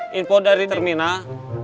nah info dari terminal